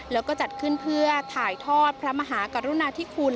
แล้วก็จัดขึ้นเพื่อถ่ายทอดพระมหากรุณาธิคุณ